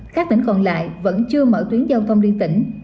các tỉnh còn lại vẫn chưa mở tuyến giao thông liên tỉnh